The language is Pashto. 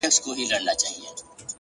• زما ځوانمرگ وماته وايي،